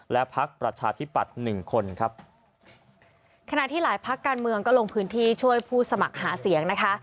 และพักการเมืองก็ลงพื้นที่ช่วยผู้สมัครหาเสียงนะคะ